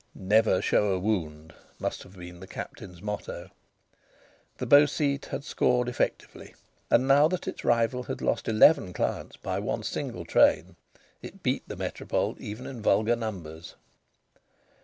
"Never show a wound" must have been the Captain's motto. The Beau Site had scored effectively. And, now that its rival had lost eleven clients by one single train, it beat the Métropole even in vulgar numbers.